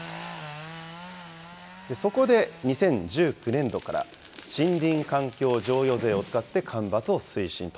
そこで２０１９年度から森林環境譲与税を使って間伐を推進と。